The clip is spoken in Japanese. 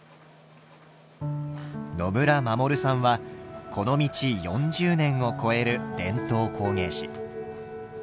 野村守さんはこの道４０年を超える伝統工芸士。